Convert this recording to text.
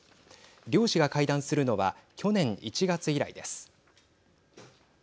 両氏が会談するのは去年１月以来です。